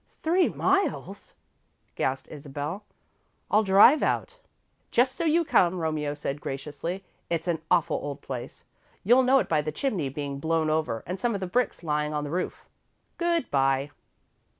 "Three miles!" gasped Isabel. "I'll drive out." "Just so you come," Romeo said, graciously. "It's an awful old place. You'll know it by the chimney being blown over and some of the bricks lying on the roof. Good bye."